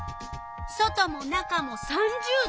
外も中も３０℃。